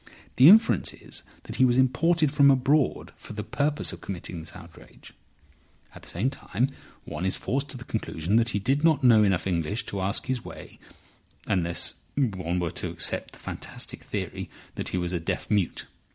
The inference is that he was imported from abroad for the purpose of committing this outrage. At the same time one is forced to the conclusion that he did not know enough English to ask his way, unless one were to accept the fantastic theory that he was a deaf mute.